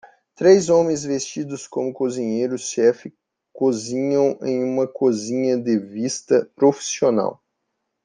Três homens vestidos como cozinheiros chefe cozinham em uma cozinha de vista profissional.